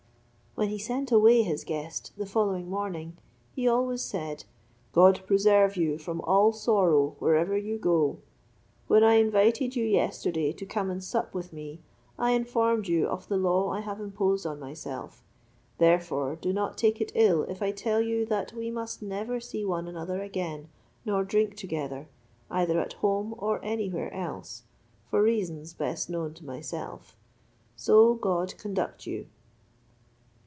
When he sent away his guest the next morning, he always said, "God preserve you from all sorrow wherever you go; when I invited you yesterday to come and sup with me, I informed you of the law I have imposed on myself; therefore do not take it ill if I tell you that we must never see one another again, nor drink together, either at home or any where else, for reasons best known to myself: so God conduct you."